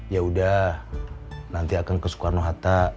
yaudah nanti akan ke soekarno hatta